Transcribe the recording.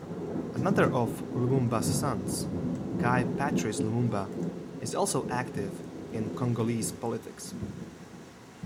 Another of Lumumba's sons, Guy-Patrice Lumumba is also active in Congolese politics.